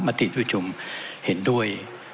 ติผู้ชมเห็นด้วย